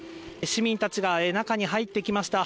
市民たちが中に入ってきました。